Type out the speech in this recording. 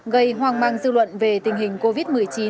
gây hoang mang dư luận về tình hình covid một mươi chín